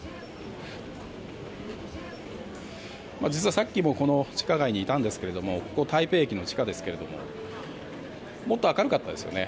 実はさっきも、この地下街にいたんですけれどもここは台北駅の地下ですけれどももっと明るかったですよね。